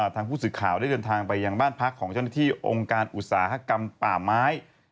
ทางผู้สื่อข่าวได้เดินทางไปยังบ้านพักของเจ้าหน้าที่องค์การอุตสาหกรรมป่าไม้